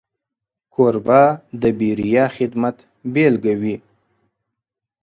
کوربه د بېریا خدمت بيلګه وي.